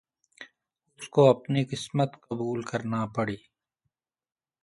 اس کو اپنی قسمت قبول کرنا پڑی۔